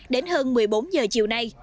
đến hơn một mươi bốn giờ chiều nay